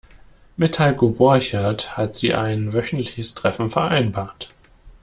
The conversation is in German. Mit Heiko Borchert hat sie ein wöchentliches Treffen vereinbart.